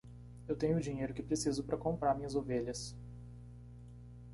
Eu tenho o dinheiro que preciso para comprar minhas ovelhas.